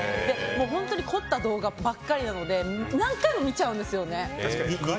本当に凝った動画ばかりなので何回も見ちゃうんですよね。